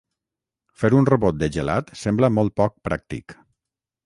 Fer un robot de gelat sembla molt poc pràctic.